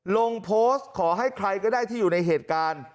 ลงโพสต์ขอให้ใครก็ได้ที่อยู่ในเหตุการณ์